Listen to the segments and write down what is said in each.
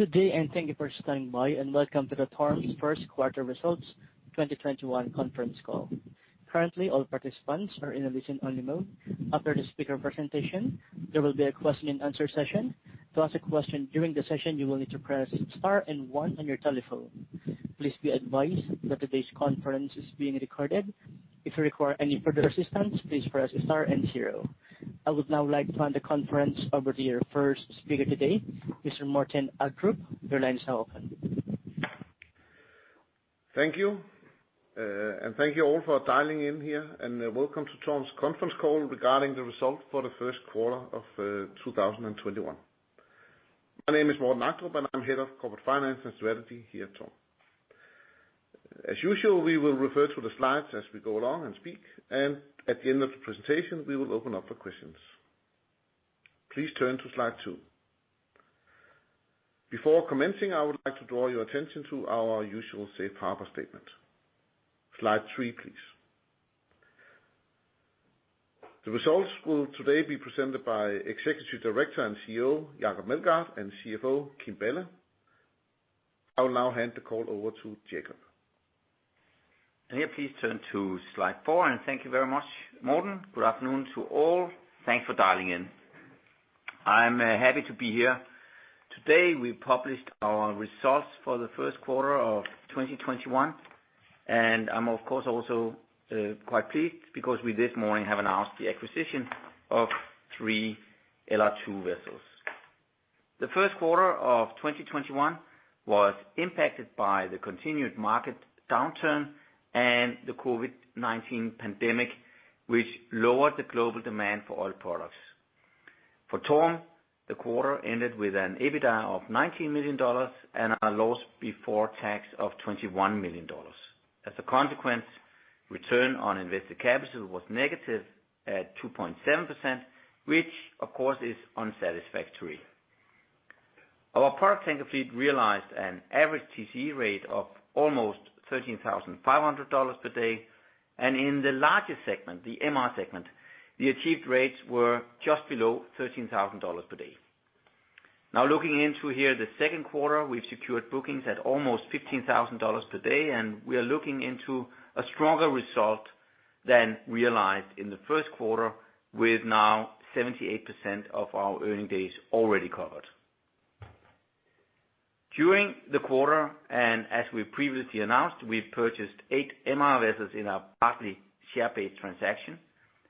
Good day, and thank you for standing by, and welcome to the TORM's first quarter results 2021 conference call. Currently, all participants are in a listen-only mode. After the speaker presentation, there will be a question and answer session. To ask a question during the session, you will need to press star and one on your telephone. Please be advised that today's conference is being recorded. If you require any further assistance, please press star and zero. I would now like to hand the conference over to your first speaker today, Mr. Morten Agdrup. Your line is now open. Thank you, thank you all for dialing in here, and welcome to TORM's conference call regarding the result for the first quarter of 2021. My name is Morten Agdrup, and I'm Head of Corporate Finance & Strategy here at TORM. As usual, we will refer to the slides as we go along and speak, and at the end of the presentation, we will open up for questions. Please turn to slide two. Before commencing, I would like to draw your attention to our usual safe harbor statement. Slide three, please. The results will today be presented by Executive Director and CEO, Jacob Meldgaard, and CFO Kim Balle. I will now hand the call over to Jacob. Here, please turn to slide four, and thank you very much, Morten. Good afternoon to all. Thanks for dialing in. I'm happy to be here. Today, we published our results for the first quarter of 2021, and I'm of course also quite pleased because we this morning have announced the acquisition of three LR2 vessels. The first quarter of 2021 was impacted by the continued market downturn and the COVID-19 pandemic, which lowered the global demand for oil products. For TORM, the quarter ended with an EBITDA of $19 million and a loss before tax of $21 million. As a consequence, return on invested capital was negative at 2.7%, which, of course, is unsatisfactory. Our product tanker fleet realized an average TC rate of almost $13,500 per day, and in the largest segment, the MR segment, the achieved rates were just below $13,000 per day. Looking into here the second quarter, we've secured bookings at almost $15,000 per day, and we are looking into a stronger result than realized in the first quarter, with 78% of our earning days already covered. During the quarter, and as we previously announced, we've purchased eight MR vessels in a partly share-based transaction.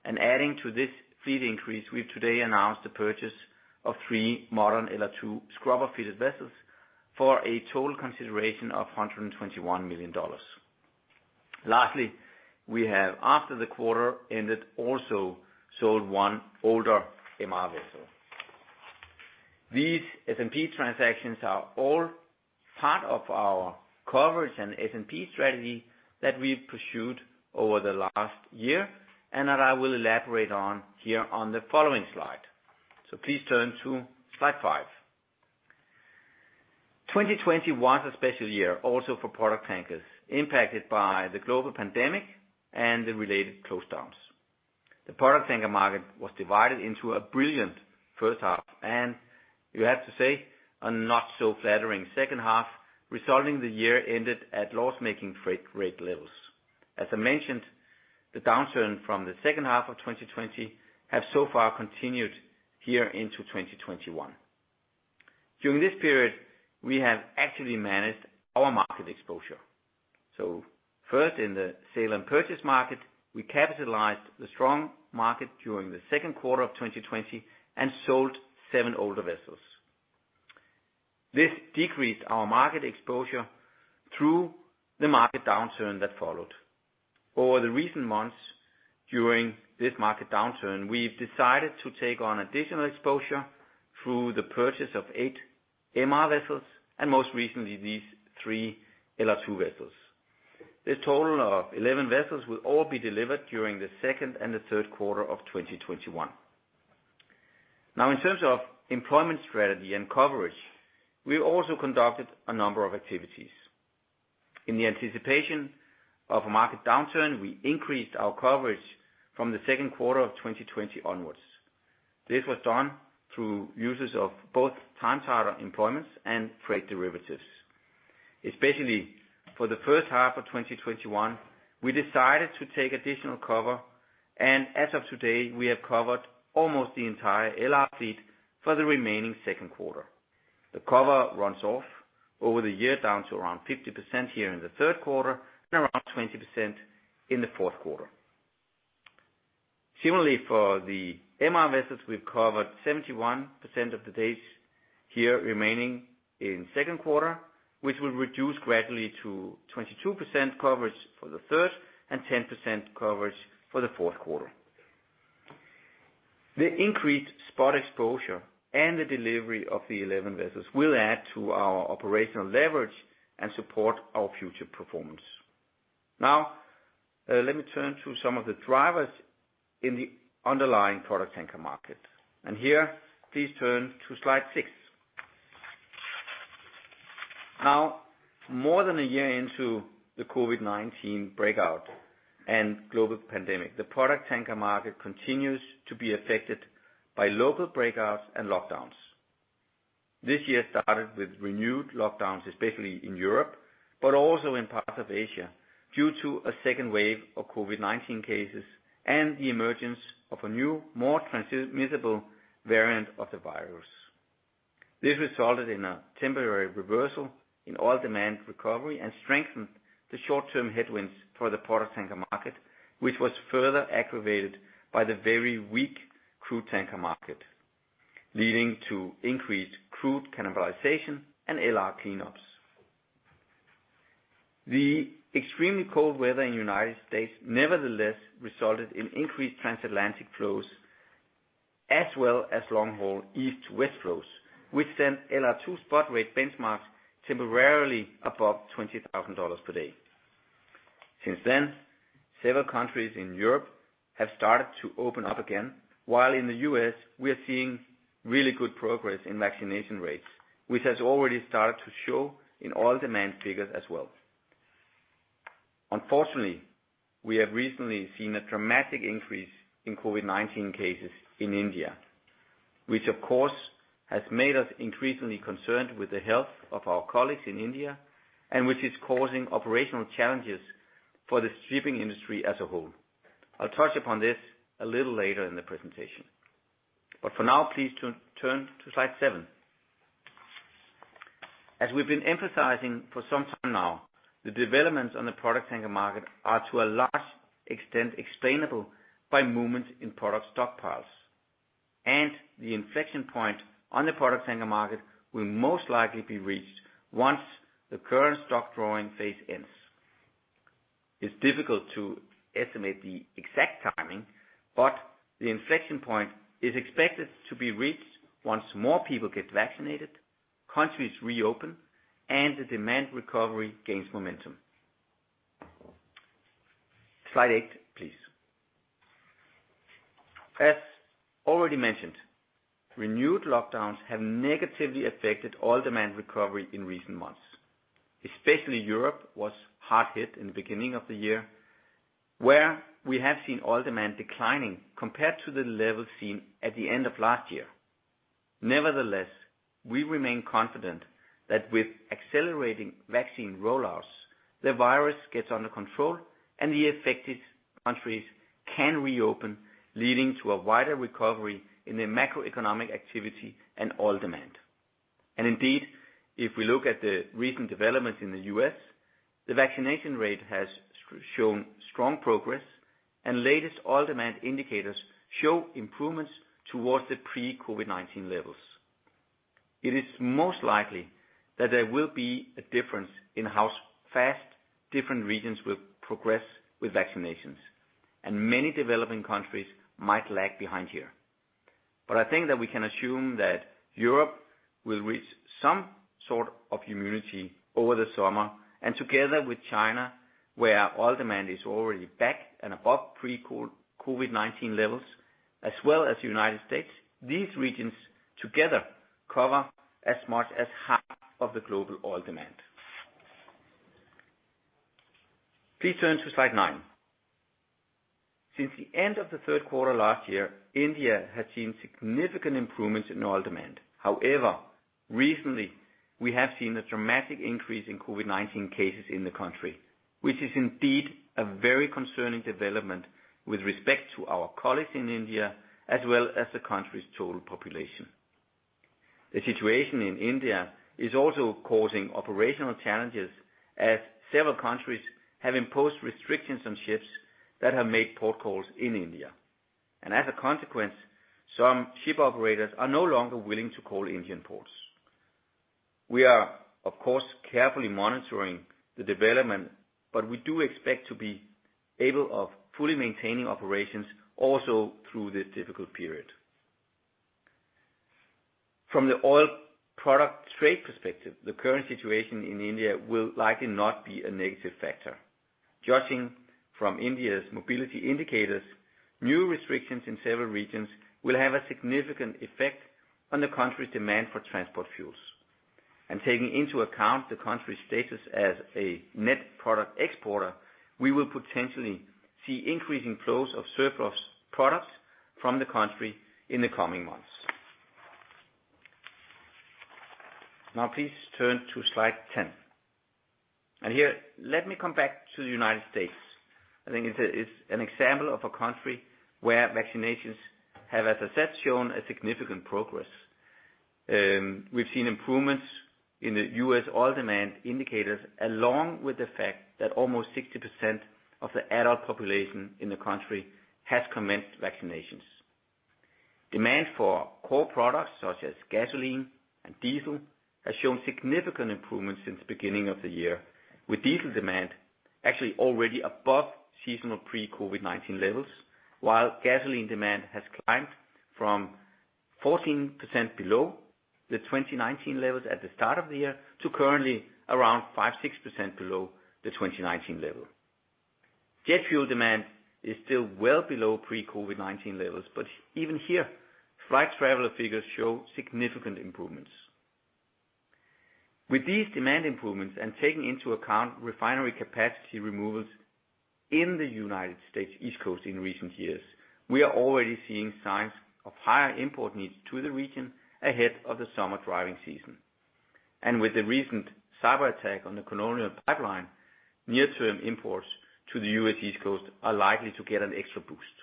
Adding to this fleet increase, we've today announced the purchase of three modern LR2 scrubber-fitted vessels for a total consideration of $121 million. Lastly, we have, after the quarter ended, also sold one older MR vessel. These S&P transactions are all part of our coverage and S&P strategy that we've pursued over the last year, and that I will elaborate on here on the following slide. Please turn to slide five. 2020 was a special year also for product tankers impacted by the global pandemic and the related close downs. The product tanker market was divided into a brilliant first half and, you have to say, a not-so-flattering second half, resulting the year ended at loss-making freight rate levels. As I mentioned, the downturn from the second half of 2020 have so far continued here into 2021. During this period, we have actively managed our market exposure. First, in the sale and purchase market, we capitalized the strong market during the second quarter of 2020 and sold seven older vessels. This decreased our market exposure through the market downturn that followed. Over the recent months, during this market downturn, we've decided to take on additional exposure through the purchase of eight MR vessels, and most recently, these three LR2 vessels. This total of 11 vessels will all be delivered during the second and the third quarter of 2021. In terms of employment strategy and coverage, we also conducted a number of activities. In the anticipation of a market downturn, we increased our coverage from the second quarter of 2020 onwards. This was done through uses of both time charter employments and freight derivatives. Especially for the first half of 2021, we decided to take additional cover, and as of today, we have covered almost the entire LR fleet for the remaining second quarter. The cover runs off over the year down to around 50% here in the third quarter and around 20% in the fourth quarter. Similarly, for the MR vessels, we've covered 71% of the days here remaining in second quarter, which will reduce gradually to 22% coverage for the third and 10% coverage for the fourth quarter. The increased spot exposure and the delivery of the 11 vessels will add to our operational leverage and support our future performance. Now, let me turn to some of the drivers in the underlying product tanker market. Here, please turn to slide six. Now, more than a year into the COVID-19 breakout and global pandemic, the product tanker market continues to be affected by local breakouts and lockdowns. This year started with renewed lockdowns, especially in Europe, but also in parts of Asia, due to a second wave of COVID-19 cases and the emergence of a new, more transmissible variant of the virus. This resulted in a temporary reversal in oil demand recovery and strengthened the short-term headwinds for the product tanker market, which was further aggravated by the very weak crude tanker market, leading to increased crude cannibalization and LR clean ups. The extremely cold weather in the U.S. nevertheless resulted in increased transatlantic flows as well as long-haul east to west flows, which sent LR2 spot rate benchmarks temporarily above $20,000 per day. Several countries in Europe have started to open up again, while in the U.S. we are seeing really good progress in vaccination rates, which has already started to show in oil demand figures as well. Unfortunately, we have recently seen a dramatic increase in COVID-19 cases in India, which of course has made us increasingly concerned with the health of our colleagues in India and which is causing operational challenges for the shipping industry as a whole. I'll touch upon this a little later in the presentation, for now, please turn to slide seven. As we've been emphasizing for some time now, the developments on the product tanker market are to a large extent explainable by movements in product stockpiles. The inflection point on the product tanker market will most likely be reached once the current stock drawing phase ends. It's difficult to estimate the exact timing, but the inflection point is expected to be reached once more people get vaccinated, countries reopen, and the demand recovery gains momentum. Slide eight, please. As already mentioned, renewed lockdowns have negatively affected oil demand recovery in recent months. Especially Europe was hard hit in the beginning of the year, where we have seen oil demand declining compared to the level seen at the end of last year. Nevertheless, we remain confident that with accelerating vaccine roll-outs, the virus gets under control and the affected countries can reopen, leading to a wider recovery in the macroeconomic activity and oil demand. Indeed, if we look at the recent developments in the U.S., the vaccination rate has shown strong progress and latest oil demand indicators show improvements towards the pre-COVID-19 levels. It is most likely that there will be a difference in how fast different regions will progress with vaccinations, and many developing countries might lag behind here. I think that we can assume that Europe will reach some sort of immunity over the summer and together with China, where oil demand is already back and above pre-COVID-19 levels as well as the United States, these regions together cover as much as half of the global oil demand. Please turn to slide nine. Since the end of the third quarter last year, India has seen significant improvements in oil demand. However, recently we have seen a dramatic increase in COVID-19 cases in the country, which is indeed a very concerning development with respect to our colleagues in India, as well as the country's total population. The situation in India is also causing operational challenges as several countries have imposed restrictions on ships that have made port calls in India. As a consequence, some ship operators are no longer willing to call Indian ports. We are, of course, carefully monitoring the development, but we do expect to be able of fully maintaining operations also through this difficult period. From the oil product trade perspective, the current situation in India will likely not be a negative factor. Judging from India's mobility indicators, new restrictions in several regions will have a significant effect on the country's demand for transport fuels. Taking into account the country's status as a net product exporter, we will potentially see increasing flows of surplus products from the country in the coming months. Now please turn to slide 10. Here, let me come back to the United States. I think it's an example of a country where vaccinations have, as I said, shown a significant progress. We've seen improvements in the U.S. oil demand indicators, along with the fact that almost 60% of the adult population in the country has commenced vaccinations. Demand for core products such as gasoline and diesel has shown significant improvements since the beginning of the year, with diesel demand actually already above seasonal pre-COVID-19 levels, while gasoline demand has climbed from 14% below the 2019 levels at the start of the year to currently around 5%-6% below the 2019 level. Jet fuel demand is still well below pre-COVID-19 levels, even here, flight traveler figures show significant improvements. With these demand improvements and taking into account refinery capacity removals in the U.S. East Coast in recent years, we are already seeing signs of higher import needs to the region ahead of the summer driving season. With the recent cyber attack on the Colonial Pipeline, near-term imports to the U.S. East Coast are likely to get an extra boost.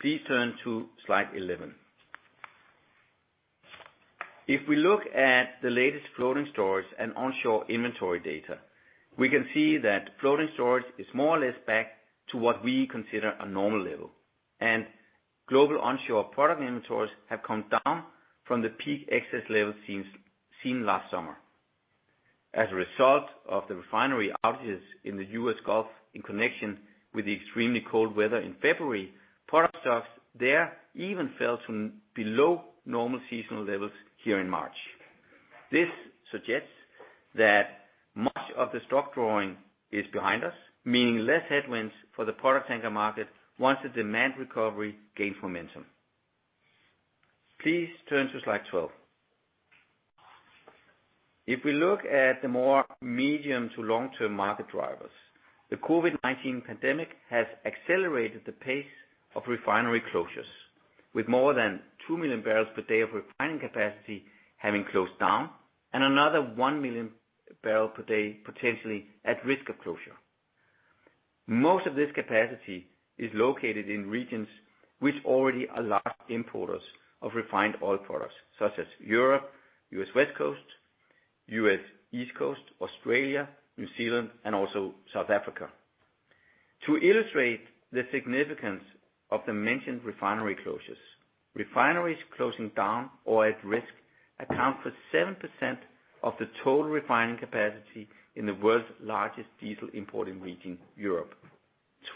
Please turn to slide 11. If we look at the latest floating storage and onshore inventory data, we can see that floating storage is more or less back to what we consider a normal level, and global onshore product inventories have come down from the peak excess level seen last summer. As a result of the refinery outages in the U.S. Gulf in connection with the extremely cold weather in February, product stocks there even fell to below normal seasonal levels here in March. This suggests that much of the stock drawing is behind us, meaning less headwinds for the product tanker market once the demand recovery gains momentum. Please turn to slide 12. If we look at the more medium to long-term market drivers, the COVID-19 pandemic has accelerated the pace of refinery closures with more than two million barrels per day of refining capacity having closed down and another one million barrel per day potentially at risk of closure. Most of this capacity is located in regions which already are large importers of refined oil products such as Europe, U.S. West Coast, U.S. East Coast, Australia, New Zealand, and also South Africa. To illustrate the significance of the mentioned refinery closures, refineries closing down or at risk account for 7% of the total refining capacity in the world's largest diesel importing region, Europe,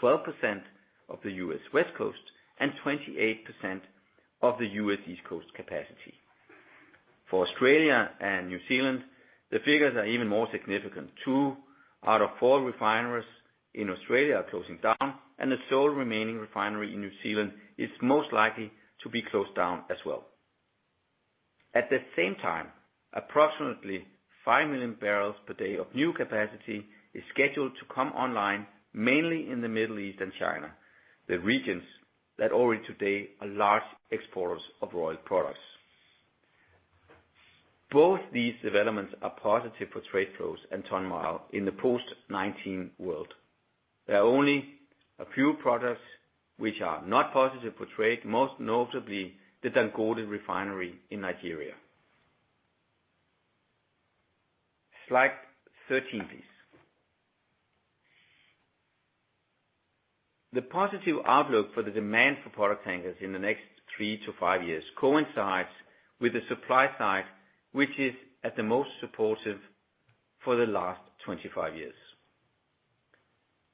12% of the U.S. West Coast, and 28% of the U.S. East Coast capacity. For Australia and New Zealand, the figures are even more significant. Two out of four refineries in Australia are closing down. The sole remaining refinery in New Zealand is most likely to be closed down as well. At the same time, approximately five million barrels per day of new capacity is scheduled to come online, mainly in the Middle East and China, the regions that already today are large exporters of oil products. Both these developments are positive for trade flows and ton-mile in the post-COVID-19 world. There are only a few products which are not positive for trade, most notably the Dangote refinery in Nigeria. Slide 13, please. The positive outlook for the demand for product tankers in the next three to five years coincides with the supply side, which is at the most supportive for the last 25 years.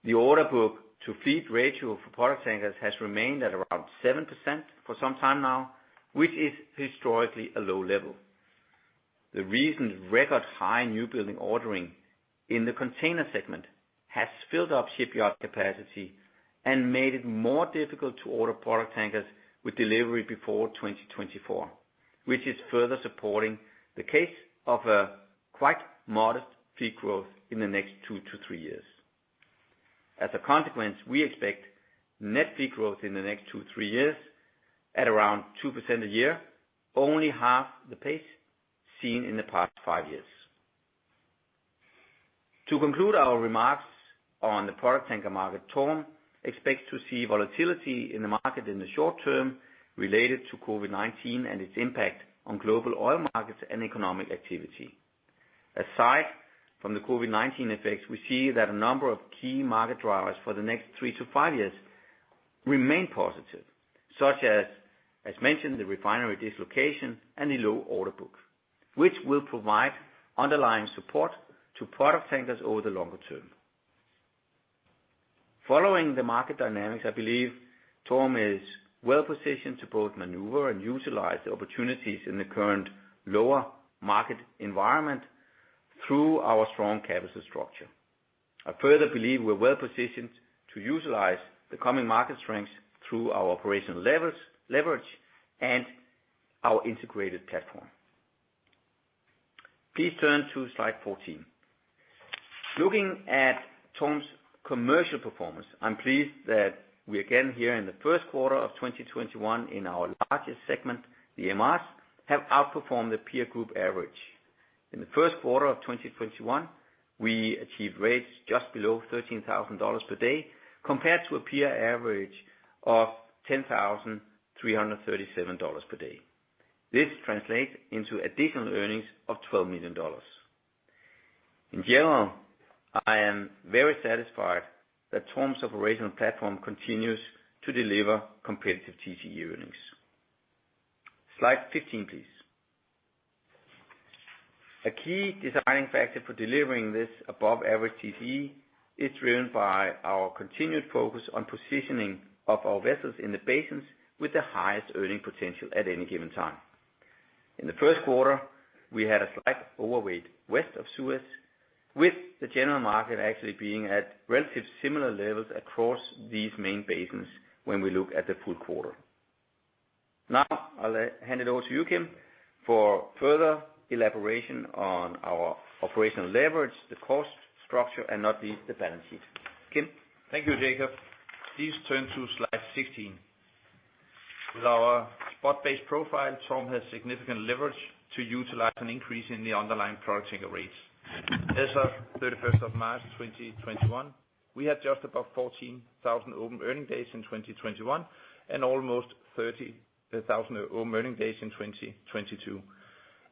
The order book to fleet ratio for product tankers has remained at around 7% for some time now, which is historically a low level. The recent record high new building ordering in the container segment has filled up shipyard capacity and made it more difficult to order product tankers with delivery before 2024, which is further supporting the case of a quite modest fleet growth in the next two to three years. As a consequence, we expect net fleet growth in the next two, three years at around 2% a year, only half the pace seen in the past five years. To conclude our remarks on the product tanker market, TORM expects to see volatility in the market in the short term related to COVID-19 and its impact on global oil markets and economic activity. Aside from the COVID-19 effects, we see that a number of key market drivers for the next three to five years remain positive, such as mentioned, the refinery dislocation and the low order book, which will provide underlying support to product tankers over the longer term. Following the market dynamics, I believe TORM is well-positioned to both maneuver and utilize the opportunities in the current lower market environment through our strong capital structure. I further believe we're well positioned to utilize the coming market strengths through our operational leverage and our integrated platform. Please turn to slide 14. Looking at TORM's commercial performance, I'm pleased that we again, here in the first quarter of 2021 in our largest segment, the MRs, have outperformed the peer group average. In the first quarter of 2021, we achieved rates just below $13,000 per day compared to a peer average of $10,337 per day. This translates into additional earnings of $12 million. In general, I am very satisfied that TORM's operational platform continues to deliver competitive TCE earnings. Slide 15, please. A key deciding factor for delivering this above average TCE is driven by our continued focus on positioning of our vessels in the basins with the highest earning potential at any given time. In the first quarter, we had a slight overweight west of Suez, with the general market actually being at relatively similar levels across these main basins when we look at the full quarter. Now, I'll hand it over to you, Kim, for further elaboration on our operational leverage, the cost structure, and not least, the balance sheet. Kim? Thank you, Jacob. Please turn to slide 16. With our spot-based profile, TORM has significant leverage to utilize an increase in the underlying product tanker rates. As of 31st of March 2021, we had just above 14,000 open earning days in 2021 and almost 30,000 open earning days in 2022.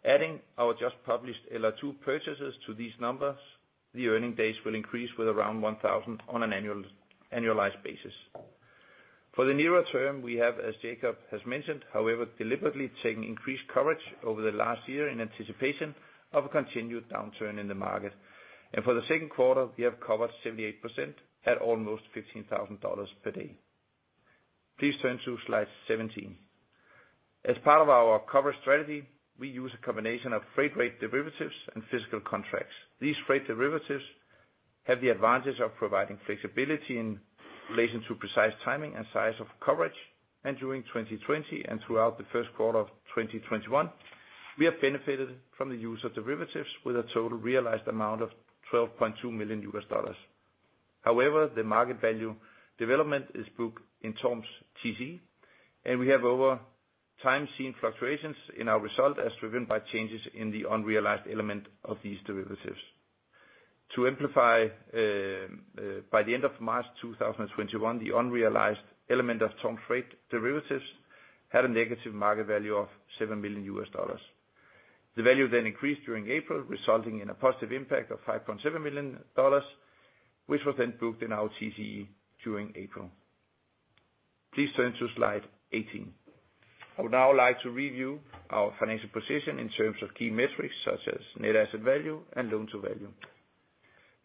Adding our just-published LR2 purchases to these numbers, the earning days will increase with around 1,000 on an annualized basis. For the nearer term we have, as Jacob has mentioned, however, deliberately taken increased coverage over the last year in anticipation of a continued downturn in the market. For the second quarter, we have covered 78% at almost $15,000 per day. Please turn to slide 17. As part of our coverage strategy, we use a combination of freight rate derivatives and physical contracts. These freight derivatives have the advantage of providing flexibility in relation to precise timing and size of coverage. During 2020 and throughout the first quarter of 2021, we have benefited from the use of derivatives with a total realized amount of $12.2 million. However, the market value development is booked in TORM's TCE, and we have over time seen fluctuations in our result as driven by changes in the unrealized element of these derivatives. To amplify, by the end of March 2021, the unrealized element of TORM freight derivatives had a negative market value of $7 million. The value then increased during April, resulting in a positive impact of $5.7 million, which was then booked in our TCE during April. Please turn to slide 18. I would now like to review our financial position in terms of key metrics such as net asset value and loan-to-value.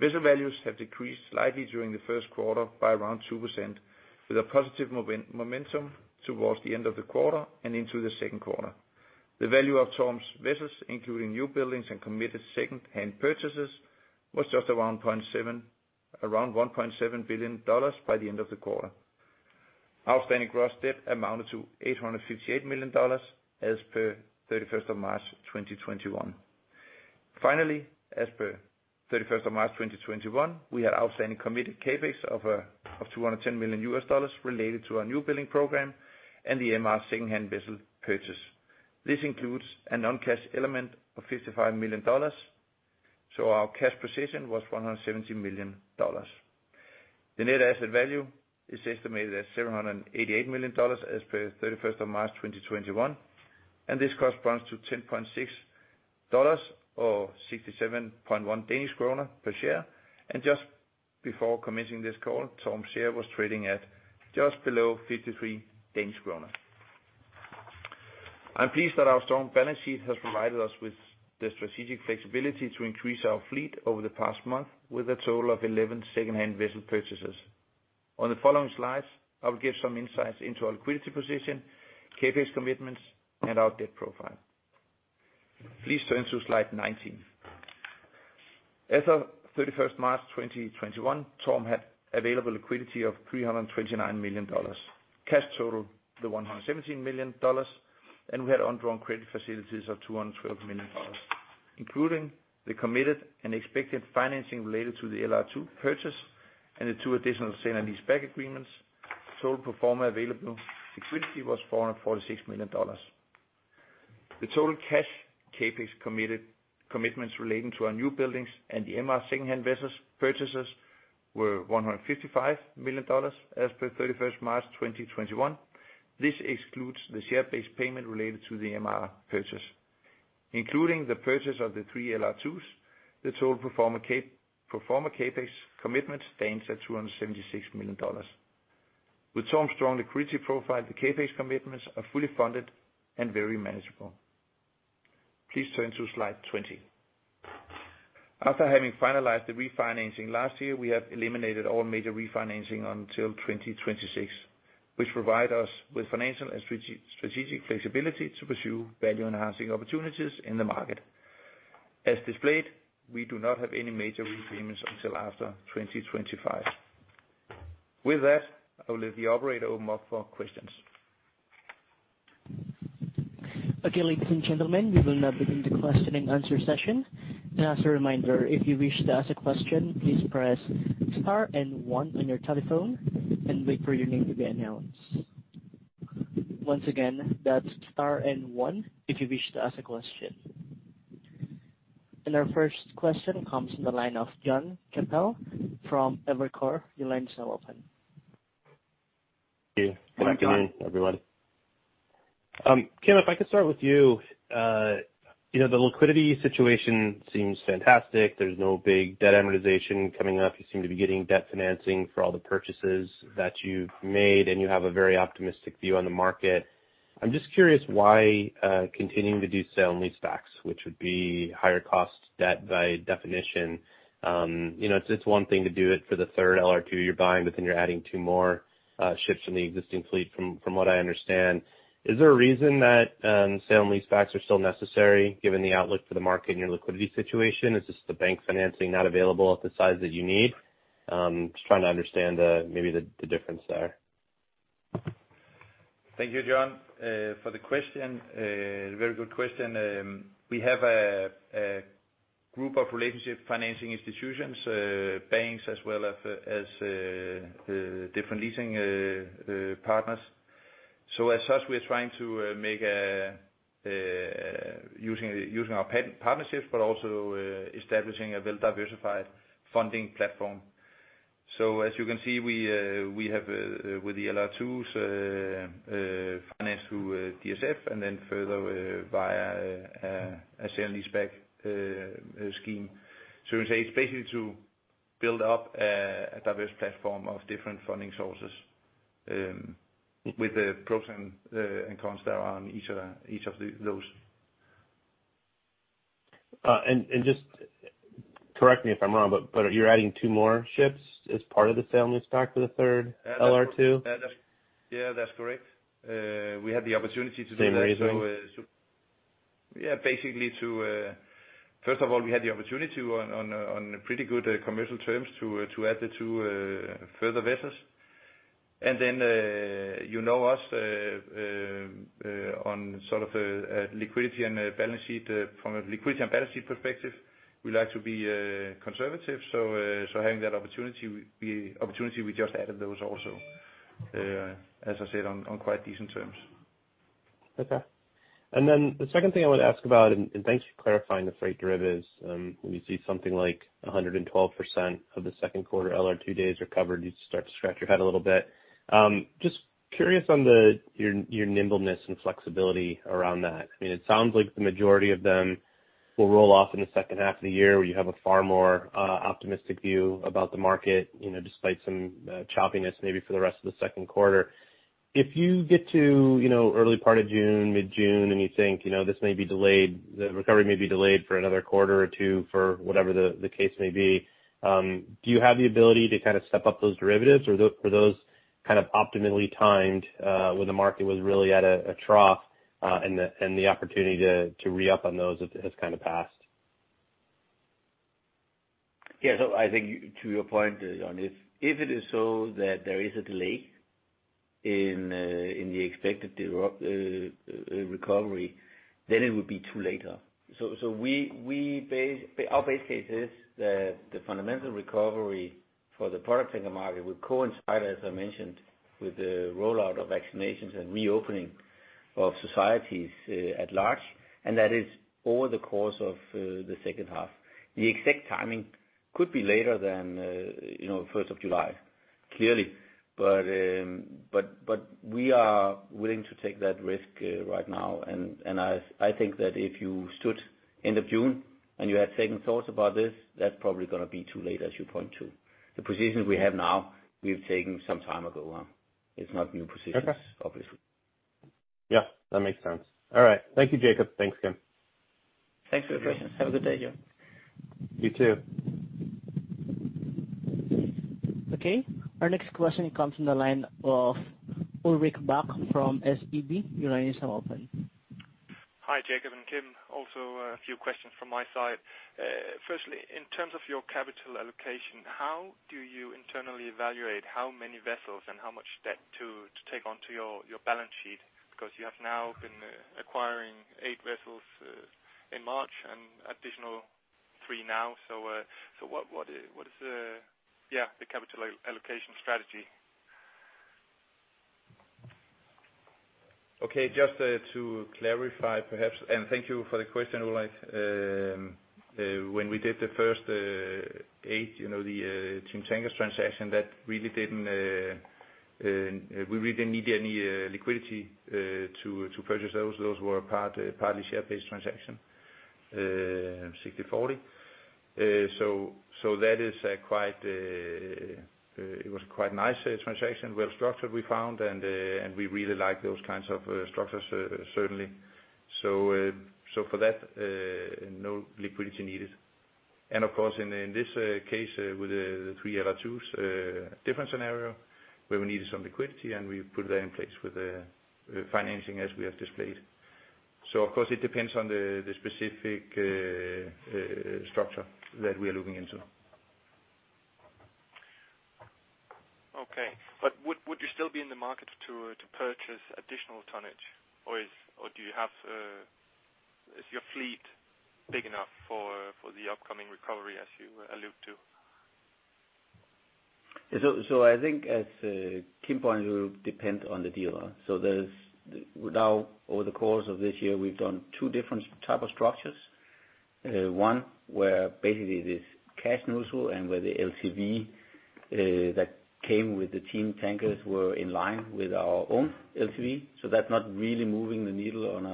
Vessel values have decreased slightly during the first quarter by around 2%, with a positive momentum towards the end of the quarter and into the second quarter. The value of TORM's vessels, including new buildings and committed secondhand purchases, was just around $1.7 billion by the end of the quarter. Outstanding gross debt amounted to $858 million as per 31st of March 2021. As per 31st of March 2021, we had outstanding committed CapEx of $210 million related to our new building program and the MR secondhand vessel purchase. This includes a non-cash element of $55 million. Our cash position was $170 million. The net asset value is estimated at $788 million as per 31st of March 2021. This corresponds to $10.6 or 67.1 Danish krone per share. Just before commencing this call, TORM share was trading at just below 53 Danish krone. I'm pleased that our strong balance sheet has provided us with the strategic flexibility to increase our fleet over the past month with a total of 11 secondhand vessel purchases. On the following slides, I will give some insights into our liquidity position, CapEx commitments, and our debt profile. Please turn to slide 19. As of 31st March 2021, TORM had available liquidity of $329 million. Cash totaled the $117 million, and we had undrawn credit facilities of $212 million. Including the committed and expected financing related to the LR2 purchase and the two additional sale and leaseback agreements, total pro forma available liquidity was $446 million. The total cash CapEx commitments relating to our new buildings and the MR secondhand vessels purchases were $155 million as per 31st March 2021. This excludes the share-based payment related to the MR purchase. Including the purchase of the three LR2s, the total pro forma CapEx commitment stands at $276 million. With TORM's strong liquidity profile, the CapEx commitments are fully funded and very manageable. Please turn to slide 20. After having finalized the refinancing last year, we have eliminated all major refinancing until 2026, which provide us with financial and strategic flexibility to pursue value-enhancing opportunities in the market. As displayed, we do not have any major repayments until after 2025. With that, I will leave the operator to open up for questions. Okay, ladies and gentlemen, we will now begin the question and answer session. As a reminder, if you wish to ask a question, please press star and one on your telephone and wait for your name to be announced. Once again, that's star and one if you wish to ask a question. Our first question comes from the line of Jonathan Chappell from Evercore. Your line is now open. Thank you. Hi, Jonathan. Good afternoon, everyone. Kim, if I could start with you. The liquidity situation seems fantastic. There's no big debt amortization coming up. You seem to be getting debt financing for all the purchases that you've made. You have a very optimistic view on the market. I'm just curious why continuing to do sale and leasebacks, which would be higher cost debt by definition. It's one thing to do it for the third LR2 you're buying. Then you're adding two more ships from the existing fleet, from what I understand. Is there a reason that sale and leasebacks are still necessary given the outlook for the market and your liquidity situation? Is just the bank financing not available at the size that you need? I'm just trying to understand maybe the difference there. Thank you, Jonathan, for the question. Very good question. We have a group of relationship financing institutions, banks as well as different leasing partners. As such, we're trying to use our partnerships, but also establishing a well-diversified funding platform. As you can see, with the LR2s, finance through DSF and then further via a sale and leaseback scheme. We say it's basically to build up a diverse platform of different funding sources, with the pros and cons there on each of those. Just correct me if I'm wrong, but you're adding two more ships as part of the sale and leaseback for the third LR2? Yeah, that's correct. We had the opportunity to do that. Same reason? Yeah, basically. First of all, we had the opportunity on pretty good commercial terms to add the two further vessels. You know us, from a liquidity and balance sheet perspective, we like to be conservative. Having that opportunity, we just added those also, as I said, on quite decent terms. Okay. Then the second thing I want to ask about, and thanks for clarifying the freight derivatives. When you see something like 112% of the second quarter LR2 days are covered, you start to scratch your head a little bit. Just curious on your nimbleness and flexibility around that. It sounds like the majority of them will roll off in the second half of the year, where you have a far more optimistic view about the market, despite some choppiness maybe for the rest of the second quarter. If you get to early part of June, mid-June, and you think the recovery may be delayed for another quarter or two, for whatever the case may be, do you have the ability to step up those derivatives, or are those optimally timed when the market was really at a trough, and the opportunity to re-up on those has passed? I think to your point, Jonathan, if it is so that there is a delay in the expected recovery, then it would be too late. Our base case is that the fundamental recovery for the product tanker market will coincide, as I mentioned, with the rollout of vaccinations and reopening of societies at large, and that is over the course of the second half. The exact timing could be later than 1st of July, clearly. We are willing to take that risk right now. I think that if you stood end of June and you had second thoughts about this, that's probably going to be too late, as you point to. The positions we have now, we've taken some time ago. It's not new positions, obviously. Yeah, that makes sense. All right. Thank you, Jacob. Thanks, Kim. Thanks for your questions. Have a good day, John. You too. Okay. Our next question comes from the line of Ulrik Bak from SEB. Hi, Jacob and Kim. A few questions from my side. Firstly, in terms of your capital allocation, how do you internally evaluate how many vessels and how much debt to take onto your balance sheet? You have now been acquiring eight vessels in March, and additional three now. What is the capital allocation strategy? Okay. Just to clarify, perhaps, and thank you for the question, Ulrik. When we did the first eight, the Team Tankers transaction, we really didn't need any liquidity to purchase those. Those were partly share-based transaction, 60/40. It was quite a nice transaction, well-structured, we found, and we really like those kinds of structures, certainly. For that, no liquidity needed. Of course, in this case, with the three LR2s, different scenario where we needed some liquidity, and we put that in place with the financing as we have displayed. Of course, it depends on the specific structure that we are looking into. Okay. Would you still be in the market to purchase additional tonnage, or is your fleet big enough for the upcoming recovery as you allude to? I think as Kim pointed to, it depends on the deal. Now, over the course of this year, we've done two different types of structures. One where basically this cash neutral and where the LTV that came with the Team Tankers were in line with our own LTV. That's not really moving the needle on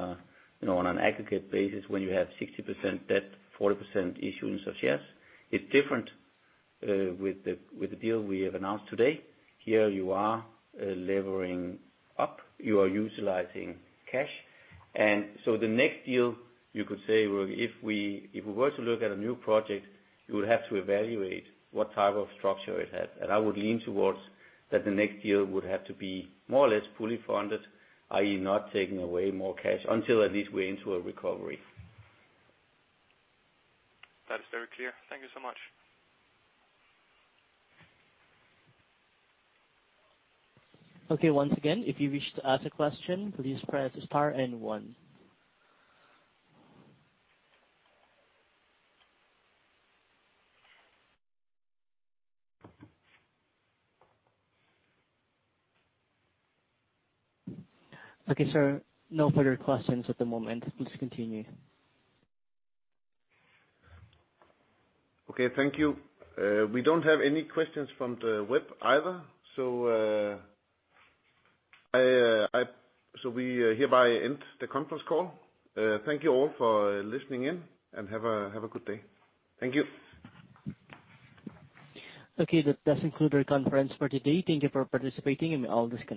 an aggregate basis when you have 60% debt, 40% issuance of shares. It's different with the deal we have announced today. Here you are levering up, you are utilizing cash. The next deal you could say, well, if we were to look at a new project, you would have to evaluate what type of structure it has. I would lean towards that the next deal would have to be more or less fully funded, i.e., not taking away more cash until at least we're into a recovery. That is very clear. Thank you so much. Okay. Once again, if you wish to ask a question, please press star and one. Okay, sir, no further questions at the moment. Please continue. Okay. Thank you. We don't have any questions from the web either, so we hereby end the conference call. Thank you all for listening in, and have a good day. Thank you. Okay, that does conclude our conference for today. Thank you for participating, and we all disconnect.